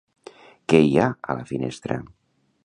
Què hi ha a la finestra?